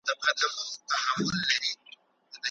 دوکه ورکوونکي ته سزا ورکړئ.